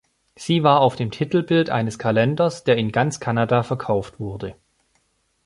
Sie war auf dem Titelbild eines Kalenders, der in ganz Kanada verkauft wurde.